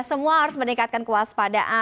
semua harus meningkatkan kewaspadaan